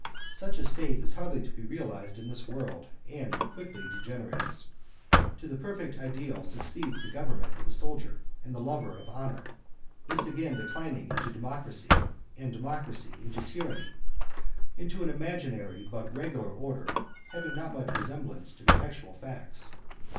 Such a State is hardly to be realized in this world and quickly degenerates. To the perfect ideal succeeds the government of the soldier and the lover of honour, this again declining into democracy, and democracy into tyranny, in an imaginary but regular order having not much resemblance to the actual facts.